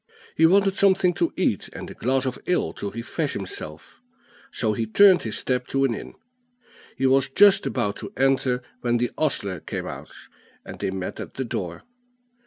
He wanted something to eat, and a glass of ale to refresh himself; so he turned his steps to an inn. He was just about to enter when the ostler came out, and they met at the door.